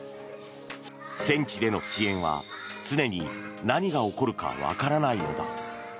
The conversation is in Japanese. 戦地での支援は常に何が起こるかわからないのだ。